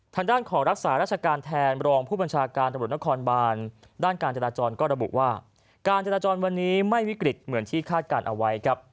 ทางด้านของรักษาราชการแทนรองผู้บัญชาการตำรวจนครบานด้านการจราจรก็ระบุว่าการจราจรวันนี้ไม่วิกฤตเหมือนที่คาดการณ์เอาไว้ครับ